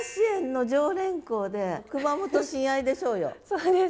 そうです。